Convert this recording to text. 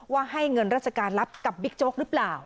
ให้เงินราชการรับกับบิ๊กโจ๊กหรือเปล่า